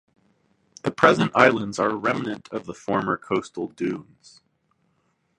The present islands are a remnant of the former coastal dunes.